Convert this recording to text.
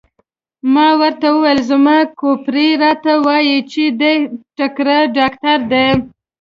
ما ورته وویل: زما کوپړۍ راته وایي چې دی تکړه ډاکټر دی.